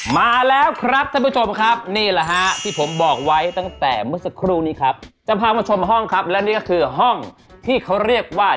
มาแล้วครับท่านผู้ชมครับนี่แหละฮะที่ผมบอกไว้ตั้งแต่เมื่อสักครู่นี้ครับจะพามาชมห้องครับและนี่ก็คือห้องที่เขาเรียกว่า